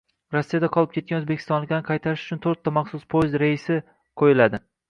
Rossiyada qolib ketgan o‘zbekistonliklarni qaytarish uchunto´rtta maxsus poyezd reysi qo‘yiladi